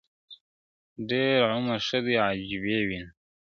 ډېر عمر ښه دی عجیبي وینو-